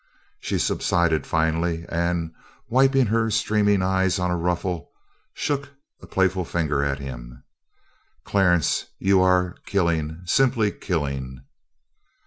She subsided finally and, wiping her streaming eyes on a ruffle, shook a playful finger at him: "Clarence, you are killing simply killing!"